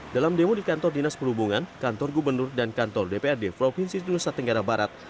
dalam demo di kantor dinas perhubungan kantor gubernur dan kantor dprd provinsi nusa tenggara barat